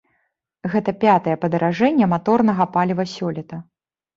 Гэта пятае падаражэнне маторнага паліва сёлета.